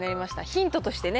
ヒントとしてね、